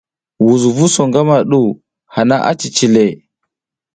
Wusnu su ngama hana a cici le.